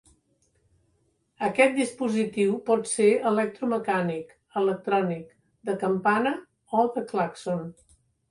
Aquest dispositiu pot ser electromecànic, electrònic, de campana o de clàxon.